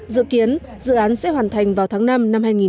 dự kiến dự án sẽ hoàn thành vào tháng năm năm hai nghìn một mươi chín